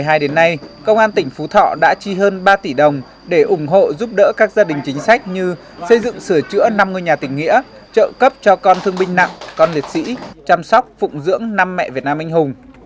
từ năm hai nghìn một mươi hai đến nay công an tỉnh phú thọ đã chi hơn ba tỷ đồng để ủng hộ giúp đỡ các gia đình chính sách như xây dựng sửa chữa năm ngôi nhà tỉnh nghĩa trợ cấp cho con thương binh nặng con liệt sĩ chăm sóc phụng dưỡng năm mẹ việt nam anh hùng